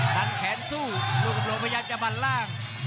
ดันแขนสู้ลูกกำลงพยายามจะบันล่าง